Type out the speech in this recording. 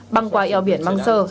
băng qua eo biển mangser